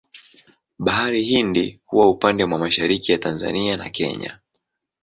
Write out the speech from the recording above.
Bahari Hindi huwa upande mwa mashariki ya Tanzania na Kenya.